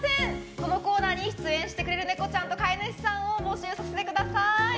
このコーナーに出演してくれるネコちゃんと飼い主さんを募集させてください。